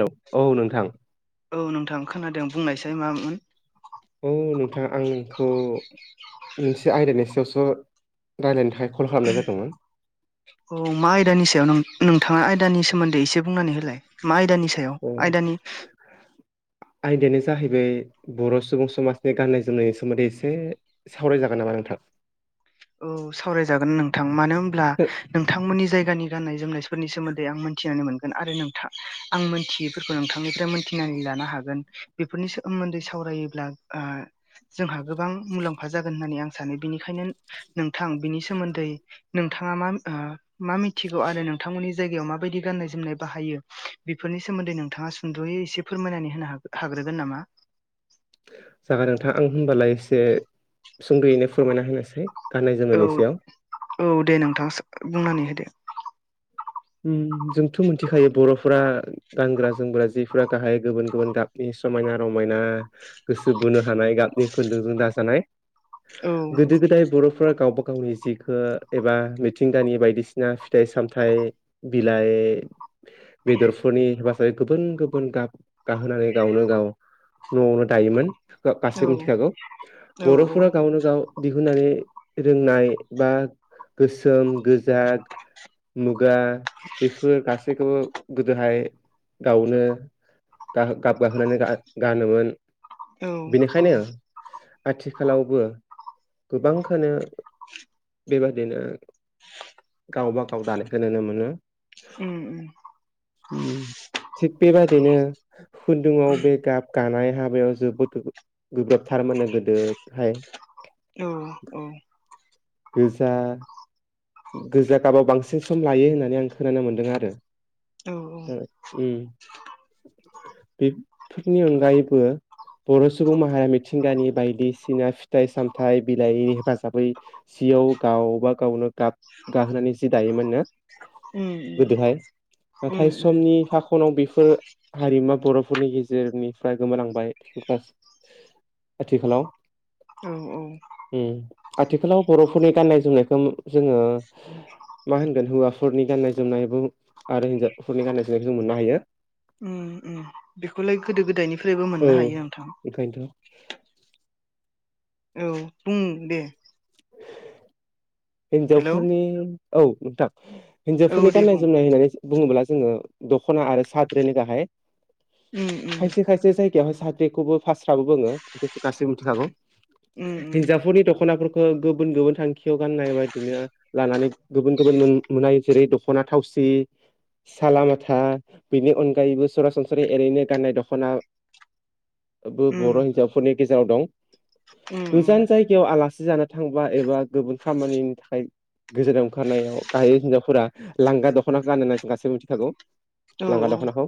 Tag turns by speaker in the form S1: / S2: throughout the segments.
S1: हेल' औ नोंथां,
S2: औ नोंथां खोनादों, !
S1: [unintelligible] मोनसे आयदानि सायावसो रायज्लायनो थाय
S2: औ मा आयदानि सायाव नों? नोंथाङा आयदानि सोमोन्दै एसे बुंनानै होलाय मा आयदानि नि सायाव
S1: ओ
S2: आयदानि
S1: आयदायानो जाहैबाय बर' सुबुं समाजनि गाननाय जोमनायनि सोमोन्दै एसे सावराय जागोन नामा नोंथां? [inaudible]
S2: औ सावरायजागोन नोंथां मानो होनोमब्ला
S1: हो
S2: नोंथांमोननि जायगानि गाननाय जोमनायफोरनि सोमोन्दै आं मोनथिनानै मोनगोन आरो नोंथ आं मोनथियैफोरखौ नोंथांनिफ्राय मोनथिनानै ला बेफोरनि सोमोन्दै सावायो ओ जोंहा गोबां मुलाम्फा जागोन होननानै आं सानो बेनिखायनो नोंथां बिनि सोमोन्दै नोंथाङा मा मा मिथिगौ आरो नोंथांमोननि जायगायाव गाननाय जनाय बाहायो बेफोरनि सोमोन्दै नोंथाङा सुंद'यै एसे फोरमायनानै होन हा हागोन। हागोन नामा?
S1: जागोन नोंथां आं होनबालाय एसे सुंद'यैनो फोरमायना होनोसै। गाननाय
S2: औ
S1: जोमनायनि सायाव
S2: औ दे नोंथाङ बुंनानै होदो।
S1: ओम जोंथ' मिथिखायो बर'फोरा गानग्रा जोमग्रा जिफोरा गाहाय गुबुन गुबुन गाबनि सम मायना रमायना। गोसो बोनो हानाय गाबनि खुदुंजों दाजानाय
S2: औ
S1: गोदो गोदाय बर'फोरा गावबााव गावनि जिखौ एबा मिथिंगानि बायदिसिना फिथाइ सामथाइ बिलाइ बेदरफोरनि हेफाजाब गुबुन गुबुन गाब गाहोनानै गावनो गाव न'आवनो दायोमोन
S2: औ
S1: गासैबो मिथिखागौ
S2: औ औ
S1: बर'फोरा गावनो गाव दि होननानै रोंनाय बा गोसोम गोजा मुगा बेफोर गासैखौबो गोदोहाय गावनो गाब गाहोनानै गा गानोमोन।
S2: औ औ।
S1: बेनिखायनो आथिखालावबो गोबांखो बेबादिनो गावबा गाव दानायखौ नुनो मोनो।
S2: ओम ओम
S1: उम थिग बेबायदिनो खुन्दुङाव बे गाब गानाय हाबायाव जोबोद गोब्राबथार मोनो गोदोहाय
S2: औ औ
S1: गोजा गोजा गाबाव बांसिन सम लायो होननानै आं खोनानो मोन्दों आरो ओ ए बेफोरनि अनगायैबो बर' सुबुं माहारिया मिथिंगानि बायदिसिना फिथाइ सामथाइ बिलाइनि हेफाजाबै सि गावबा गावनो गाब गाहोनानै जि दायोमोन ना गोदोहाय नाथाय समनि फाख फनाव बेफोर हारिमुयख बर'फोरनि गेजेरनिफ्राय गोमानांबाय बे आथिखालाव
S2: औ
S1: ओम आथिखालाव बर'फोरनि गाननाय जोमनायखौ जोङो [inaudible] मा होनगोन हौवाफोरनि गाननाय जोमनायबो आरो हिनजावफोरनि गाननाय जोमनायखौ जों मोननो हायो।
S2: बेखौलाय गोदो गोदायनिफ्रायबो
S1: औ
S2: मोननो हायो नोंथा।
S1: ओंखायनोथ'
S2: औ बुं दे। हेलौ
S1: हिनजावफोरनि औ नोंथां
S2: औ
S1: हिनजावफोरनि
S2: दे
S1: गाननाय
S2: बुं
S1: जोमनाय होननानै बुङोब्ला जो दखना आरो साद्रनि गाहाय
S2: उम उम
S1: खायसे खायसे जाय वहाय साेखौबो फास्राबो बुङो बेखौ गासैबो मिथिखागौ
S2: उम
S1: हिनजावफोरनि दख'नाफोरखौ ओ गुबुन गुबुन थांखियाव गाननाय बायदिनो लानानै गुबुन गुबुन मोन मोननाय जेरै दख'ना थावसि सालालामाथा बेनि अनगायैबो सरासनस्रै एओरैनो गाननाय दख'ना।
S2: उम
S1: बर' हिनजावफोरनि गेजेराव दं
S2: उम उम
S1: गोजान जायगायाव आलासि जानो थांबा एबा गुबुन खामानिनि थाखाय गोजोनाव ओंखारनायाव गाहाय हिनजावफोरा लांगा दख'ना गान होननानै गासैबो मिथिखागौ।
S2: औ
S1: लांगा
S2: औ
S1: दख'नाखौ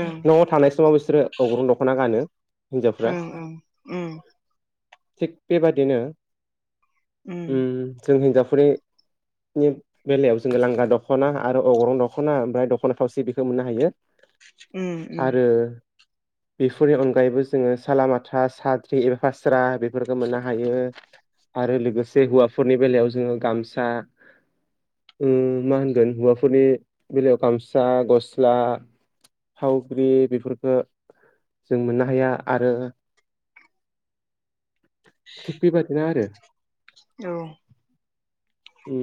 S2: ओं
S1: न'आव थानाय समाव बिसोरो अग्रुं दख'ना गानो। हिनजावफ्रा
S2: ओं ओं उम
S1: थिग बेबादिनो उ
S2: उम
S1: जों हिनजावफोरनि नि बेलायाव जोङो लांग्रा दख'ना आरो अग्रं दख'ना ओमफ्राय दख'ना थावसि बेखौ मोननो हायो।
S2: उ उ
S1: आरो बेफोरनि अनगायैबो जोङो सालालामाथा साद्रि एबा फास्रा बेफोरखौ मोननो हायो। आरो लोगोसे हौवाफोरनि बेलायाव जोङो गामसा ओ मा होनगोन हौवाफोरनि बेलायाव गामसा गस्ला फावग्रि बेफोरफोरखौो जों मोननो हाया आरो थिगबिबायादिनो आरो
S2: औ
S1: ओ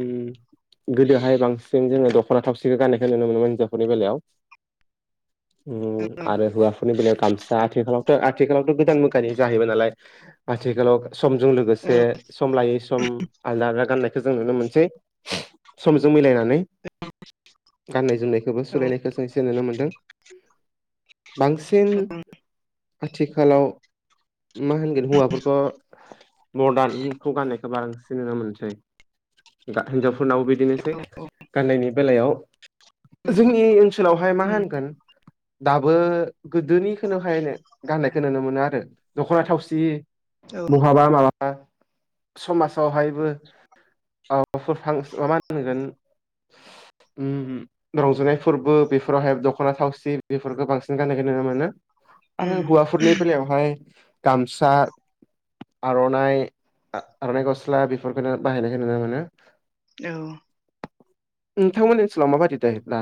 S1: गोदोहाय बांसिन जोङो दख' ना थावसिखौ गाननायखौ नुनो मोनोन हिनजावफोरनि बेलायाव उ आरो हवा फनि ब गामसाा आथिखालाव आथिखालावथ' गोदान मोगानि जाहैबाय नालाय आथिखालाव समजों
S2: औ
S1: लोगोसे सम लायै [unintelligible] गनायखौ जों नुनो मोनसे समजों मिलायनानै गान्नाय जनायखौबो
S2: औ
S1: सोलायनायखौ जों एसे नुनो मोन्दों बांसिन आथिखालाव मा होनगोन हौवाफोरखौ मदार्नखौ गानो गोबां सिनायनो मोनसै हिनजावफोरनावबो बिदिनोसै गाननायनि बेलायाव जोंनि ओनसोलावहाय मा होनगोन दाबो गोदोनिखौनोहायनो गाननायखौ नुनो मोनो आरो दख'ना थावसि
S2: औ
S1: बहाबा माबा समाजावहायबो [unintelligible] होनगोन ओ रंजानाय फोरबो बेफोरावहाय दख'ना थावसि बेफोरखौ बांसिन गाननायखौ नुनो मोनो आरो
S2: उम
S1: हवा फुरनि बेलावहाय गामसा आर'नाइ आर'नाइ गस्ला बेफोरखौनो बाहायनायखौ नुनो मोनो
S2: औ
S1: थांमोनानि ओसोललामाबादद ल्बा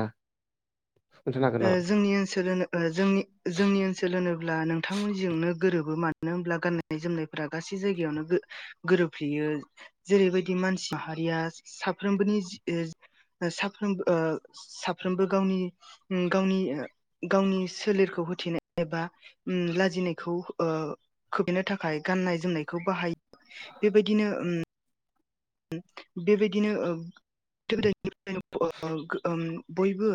S2: जोंनि ओनसोलो ज जोंनि ओनसोल होनोब्ला नों नोंथांमोनजोंनो गोरोबो मानो होनोमब्ला गाननाय जोमनायफोरा गासै जायगायावनो गोरोबफ्लेयो जेरैबायदि मानसि माहारिया साफ्रोमबोनि साफ्रोमबो ओ साफ्रोमबो गावनि गावनि गावनि सोलेरखौ होथनाय एबा लाजिनायखौ खोबनो थाखाय गाननाय जोमनायखौ बाहायो बेबायदिनो ओ बेबायदिनो बयबो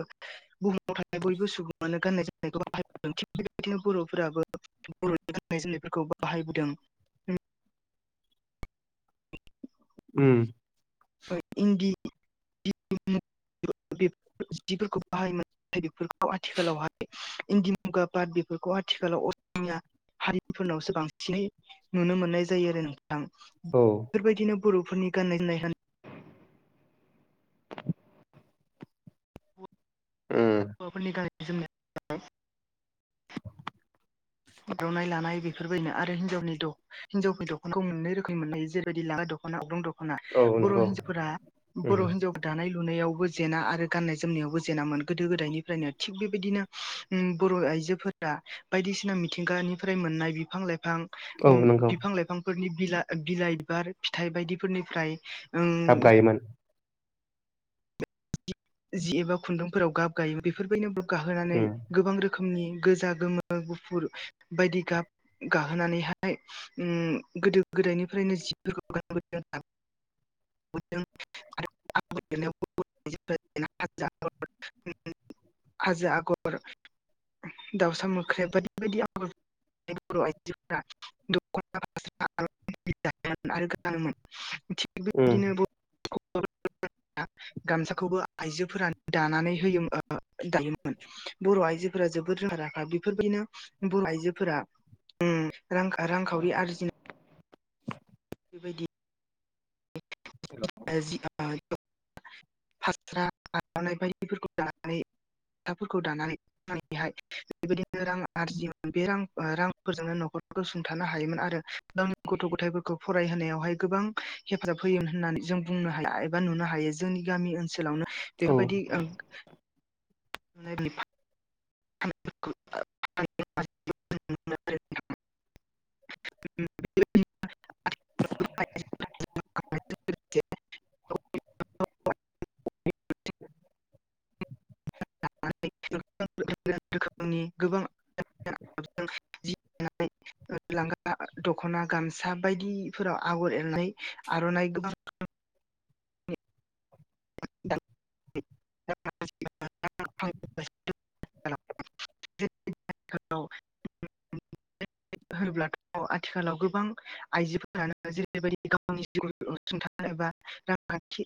S2: बुहुमाव थानाय बयबो सुबङानो गाननाय जो जोमनाय थि बेबायदिनो बर'फोराबो बर'नि गाननाय जोमनायफोरखौ बाहायबोदों
S1: [inaudible] उम
S2: इन्दि [inaudible] बे जिफोरखौ बाहायोम बेफोरखौ आथिखालावहाय इन्दि मुगा बाद बेफोरखौ आथिखालाव असमिया हारिफोरनावसो बांसिनै नुनो मोननाय जायो आरो नों थां
S1: औ
S2: बेफोरबायदिनो बर'फोरनि गाननाय जोमनाय होन
S1: उम
S2: हौवाफोरनि गाननाय जोमनाय आरनाय लानाय बेफोरबायदिनो आरो हिनजावनि हिनजावफोर दख'खौ मोननै रोखोम मोननाय जेरैबायदि लाङागा द खना अग्रं दख'ना
S1: औ
S2: बर'
S1: नंगौ
S2: हिफोरा
S1: उम
S2: बर' हिजाव दानाय लुनायावबो जेना आरो गाननाय जोमनायावबो जेेनामोन गोदो गोदायनिफ्रायनो थिग बेबायदिनो ओम बर' आइजोफोरा बायदिसिना मिथिंगानिफ्राय मोननाय बिा लाइां
S1: औ
S2: ओम
S1: नंगौ
S2: बिफां लाइफांफोरनि बिला बिलाइ बिबार फिथाइ बायदिफोरनिफ्राय उम
S1: गाब गायमोन
S2: जि एबा खुन्दुंफोराव गाब गायो बेफोरबायदिनो गाब गाहोनानै
S1: उम
S2: गोबां रोखोमनि खोमनि गोजा गोमो गुफुर बायदि गाब गाहोनानैहाय उम गोदो गोदायनिफ्रायनो जिफोरखौ गानबोदों आरो
S1: [unintelligible]
S2: [unintelligible] [unintelligible] दाउसा मोख्रे बायदि बायदि आगर [unintelligible] जायोन आरो गानोमोन थिग
S1: उम
S2: बेबायदिनो [unintelligible] गामसाखौबो आइजोफोरानो दानानै होयोमोन दायोमोन बर' आइजोफोरा जोबोद रोंखा राखा बेफोरबायदिनो बर' आइजोफोरा रांखावरि आरजिनो बेबायदि
S1: हेल'
S2: [unintelligible] फास्रा आरनाय बायदिफोरखौ लानानै थाफोरखौ दानानैहाय बेबायदिनो रां आरजियोन बे रान रांफोरजोंनो न'खर ग'सुंथानो हायोमोन आरो गावनि गथ' गथायफोरखौ फरायहोनायावहाय गोबां हेफाजाब होयोमोन होननानै जों बुंनो हाया एबा नुनो हायो जोंनि गामि ओनसोलावनो
S1: औ
S2: बेफोरबायदि ओं [inaudible] [unintelligible] [unintelligible] [unintelligible]
S1: [unintelligible]
S2: [unintelligible] [unintelligible] लांगा दख'ना गामसा बायदिफोराव आगर एरनाय आर'नाइ गोबां [unintelligible] [unintelligible]
S1: [unintelligible]
S2: होब्लाथ' आथिखालाव गोबां आइजोफोरानो जेरैबायदि गावनि जिउसुंथानो एबा रांखानथि